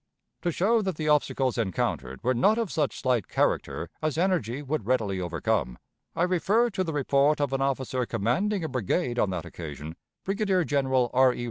To show that the obstacles encountered were not of such slight character as energy would readily overcome, I refer to the report of an officer commanding a brigade on that occasion, Brigadier General R. E.